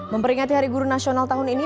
memperingati hari guru nasional tahun ini